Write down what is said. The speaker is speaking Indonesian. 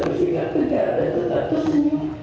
berpikirkan pegawai tetap tersenyum